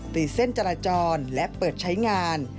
เส้นจราจรและเปิดใช้งาน